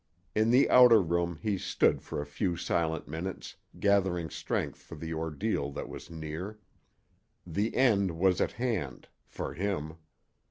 In the outer room he stood for a few silent minutes, gathering strength for the ordeal that was near. The end was at hand for him.